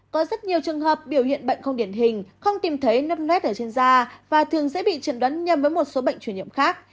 có rất nhiều trường hợp biểu hiện bệnh không điển hình không tìm thấy nấp nét ở trên da và thường dễ bị trần đoán nhầm với một số bệnh chuyển nhiệm khác